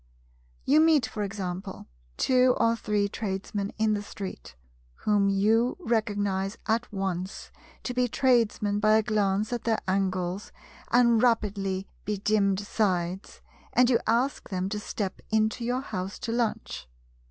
You meet, for example, two or three Tradesmen in the street, whom your recognize at once to be Tradesman by a glance at their angles and rapidly bedimmed sides, and you ask them to step into your house to lunch.